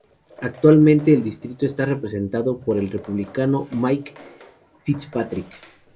Actualmente el distrito está representado por el Republicano Mike Fitzpatrick.